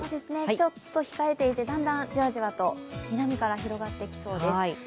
ちょっと控えていて、だんだんじわじわと南から広がってきそうです。